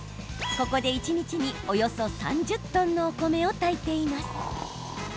ここで一日に、およそ３０トンのお米を炊いています。